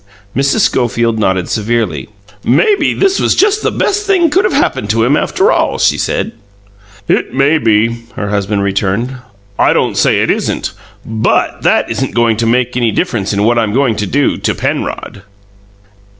Mrs. Schofield nodded severely. "Maybe this was just the best thing could have happened to him, after all," she said. "It may be," her husband returned. "I don't say it isn't. BUT that isn't going to make any difference in what I'm going to do to Penrod!"